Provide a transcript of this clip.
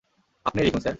আপনিই লিখুন, স্যার।